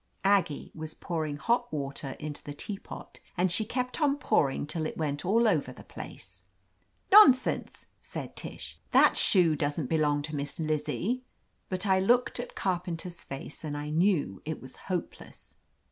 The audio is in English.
Aggie was pouring hot water into the teapot, and she kept on pouring till it went all over the place. "Nonsense," said Tish. "That shoe doesn't belong to Miss Lizzie," But I looked at Carpenter's face and I knew it was hopeless.